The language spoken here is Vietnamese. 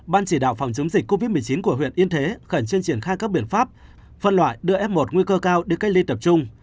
ban chỉ đạo phòng chống dịch covid một mươi chín của huyện yên thế khẩn trương triển khai các biện pháp phân loại đưa f một nguy cơ cao đi cách ly tập trung